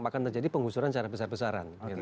akan terjadi penggusuran secara besar besaran